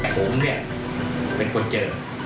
ผมเนี่ยเป็นคนเจอ